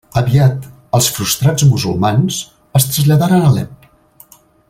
Aviat els frustrats musulmans es traslladaren a Alep.